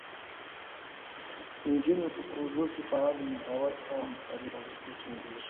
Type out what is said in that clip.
که نجونې په پروژو کې فعاله وي، باور او همکارۍ اړیکې ټینګېږي.